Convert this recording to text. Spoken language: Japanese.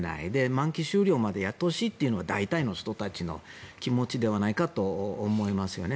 満期終了までやってほしいというのが大体の人の気持ちではないかと思いますよね。